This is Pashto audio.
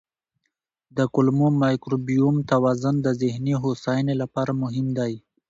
د کولمو مایکروبیوم توازن د ذهني هوساینې لپاره مهم دی.